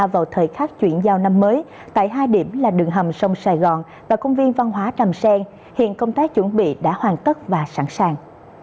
vào thời khắc chuyển giao năm mới tại hai điểm là đường hầm sông sài gòn và công viên văn hóa tràm sen hiện công tác chuẩn bị đã hoàn tất và sẵn sàng